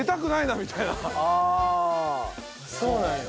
ああそうなんや。